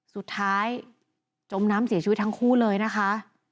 จมน้ำเสียชีวิตทั้งคู่เลยนะคะ